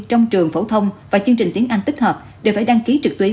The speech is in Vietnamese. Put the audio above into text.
trong trường phổ thông và chương trình tiếng anh tích hợp đều phải đăng ký trực tuyến